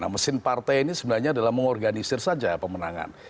nah mesin partai ini sebenarnya adalah mengorganisir saja pemenangan